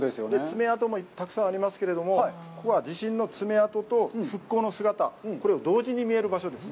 爪跡もたくさんありますけれども、ここは地震の爪跡と復興の姿、これを同時に見られる場所です。